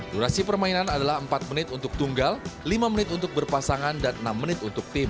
durasi permainan adalah empat menit untuk tunggal lima menit untuk berpasangan dan enam menit untuk tim